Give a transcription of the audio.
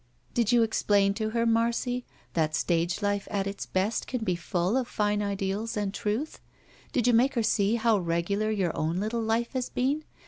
"Did you explain to her, Marcy, that stage life at its best can be full of fine ideals and truth? Did you make her see how regular your own little life has been?